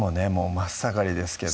真っ盛りですけど